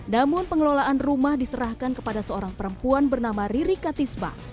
namun pengelolaan rumah diserahkan kepada seorang perempuan bernama riri katisba